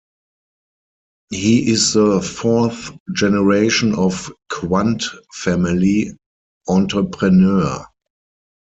He is the fourth generation of Quandt family entrepreneurs.